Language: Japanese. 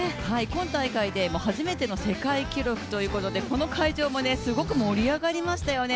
今大会で初めての世界記録ということで、この会場もすごく盛り上がりましたよね。